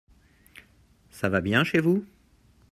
Ça va bien chez vous ?…